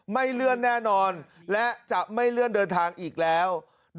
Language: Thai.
ไม่เลื่อนแน่นอนและจะไม่เลื่อนเดินทางอีกแล้ว